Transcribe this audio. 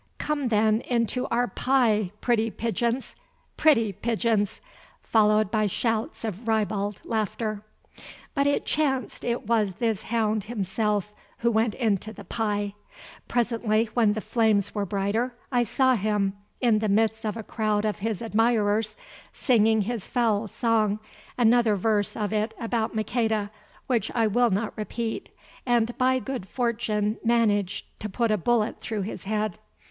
Come then into our pie, pretty pigeons, pretty pigeons!" followed by shouts of ribald laughter. But it chanced it was this hound himself who went into the "pie." Presently, when the flames were brighter, I saw him, in the midst of a crowd of his admirers, singing his foul song, another verse of it about Maqueda, which I will not repeat, and by good fortune managed to put a bullet through his head.